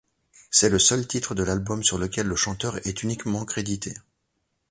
C'est le seul titre de l'album sur lequel le chanteur est uniquement crédité.